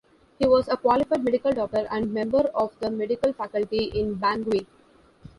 He was a qualified medical doctor and member of the medical faculty in Bangui.